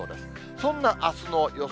そんなあすの予想